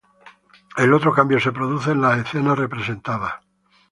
El otro cambio se produce en las escenas representadas.